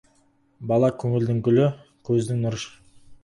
Бала — көңілдің гүлі, көздің нұры.